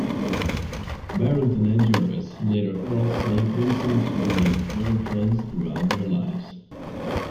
Barrington and Jervis, later Earl Saint Vincent remained firm friends throughout their lives.